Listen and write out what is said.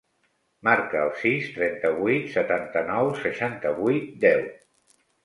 Marca el sis, trenta-vuit, setanta-nou, seixanta-vuit, deu.